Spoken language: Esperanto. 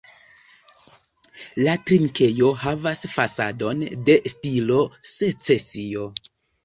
La trinkejo havas fasadon de stilo secesio.